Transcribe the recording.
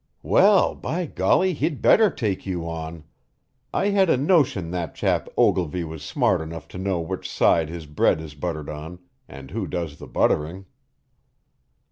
"Well, by golly, he'd better take you on! I had a notion that chap Ogilvy was smart enough to know which side his bread is buttered on and who does the buttering."